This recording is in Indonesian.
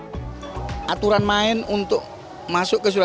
makanya tadi pada saat mereka welcoming sengaja kita lemparkan suara